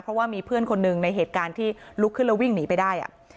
เพราะว่ามีเพื่อนคนหนึ่งในเหตุการณ์ที่ลุกขึ้นแล้ววิ่งหนีไปได้